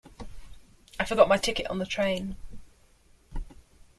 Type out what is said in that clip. I forgot my ticket on the train.